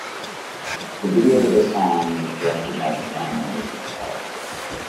The video to the song was directed by the band members themselves.